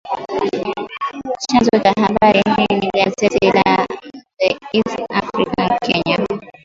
Chanzo cha habari hii ni gazeti la The East African, Kenya